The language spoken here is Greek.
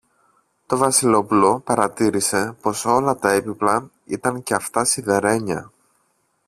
Το Βασιλόπουλο παρατήρησε πως όλα τα έπιπλα ήταν και αυτά σιδερένια